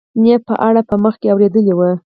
نه یې په اړه مخکې اورېدلي وو.